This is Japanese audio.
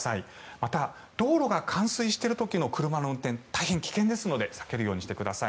また、道路が冠水している時の車の運転大変危険ですので避けるようにしてください。